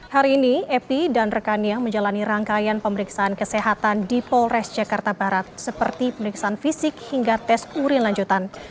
hari ini epi dan rekannya menjalani rangkaian pemeriksaan kesehatan di polres jakarta barat seperti pemeriksaan fisik hingga tes urin lanjutan